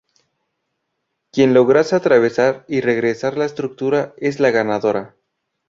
Quien lograse atravesar y regresar la estructura es la ganadora.